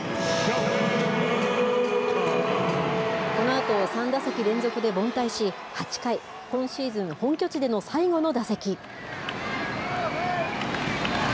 このあと、３打席連続で凡退し、８回、今シーズン、本拠地での最後の打席。